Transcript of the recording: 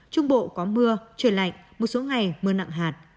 trung bộ có mưa trời lạnh một số ngày mưa nặng hạt